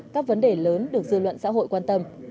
các vấn đề lớn được dư luận xã hội quan tâm